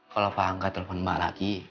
kalau pak angka telepon mbak lagi